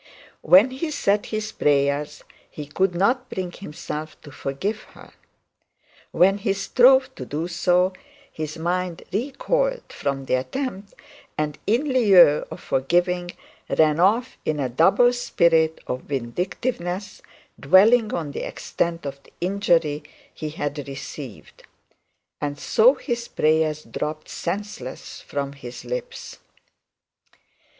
When he said his prayers, he could not bring himself to forgive her. When he strove to do so, his mind recoiled from the attempt, and in lieu of forgiving, ran off in a double spirit of vindictiveness, dwelling on the extent of the injury he had received. And so his prayers dropped senseless from his lips.